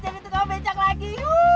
gue gak jadi tukang becak lagi